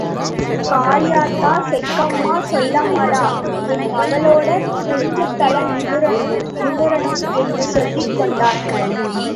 காளியாத்தா... செக்கம்மா... சொள்ளமாடா... என் மகளோட குனிஞ்சதல நிமுறணும்... நிமுறணும் என்று சொல்லிக் கொண்டாள்.